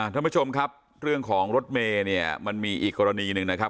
ท่านผู้ชมครับเรื่องของรถเมย์เนี่ยมันมีอีกกรณีหนึ่งนะครับ